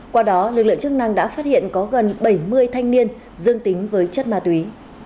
qua đó lực lượng chức năng đã phát hiện có gần bảy mươi thanh niên dương tính với chất ma túy